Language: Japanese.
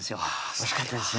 おいしかったですね